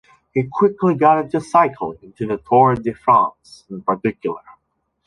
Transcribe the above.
He quickly got into cycling and into the Tour de France in particular.